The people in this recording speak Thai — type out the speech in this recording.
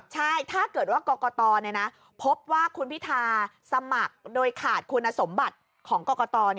ใช่ถ้าเกิดว่ากรกตพบว่าคุณพิธาสมัครโดยขาดคุณสมบัติของกรกต